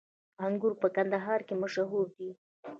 انګور په کندهار کې مشهور دي